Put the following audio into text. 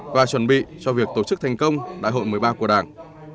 và chuẩn bị cho việc tổ chức thành công đại hội một mươi ba của đảng